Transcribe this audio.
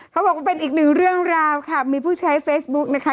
เขาบอกว่าเป็นอีกหนึ่งเรื่องราวค่ะมีผู้ใช้เฟซบุ๊กนะคะ